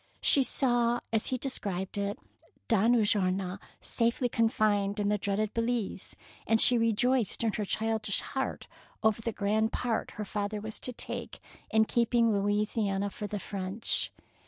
She saw, as he described it, Don Ulloa safely confined in the dreaded Belize, and she rejoiced in her childish heart over the grand part her father was to take in keeping Louisiana for the French.